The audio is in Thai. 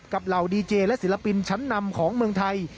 เหล่าดีเจและศิลปินชั้นนำของเมืองไทย